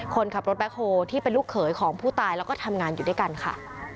คนขับรถแบ็คโฮลที่เป็นลูกเขยของผู้ตายแล้วก็ทำงานอยู่ด้วยกันค่ะ